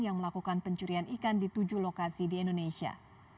yang melakukan pencurian ikan di tujuh lokasi di indonesia